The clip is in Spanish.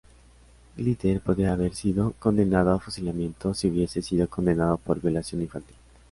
Glitter podía haber sido condenado a fusilamiento si hubiese sido condenado por violación infantil.